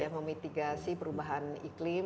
memitigasi perubahan iklim